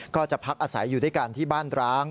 ก็จะพักอาศัยอยู่ด้วยกันที่บ้านร้าง